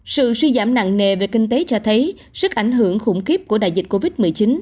sự suy giảm nặng nề về kinh tế cho thấy sức ảnh hưởng khủng khiếp của đại dịch covid một mươi chín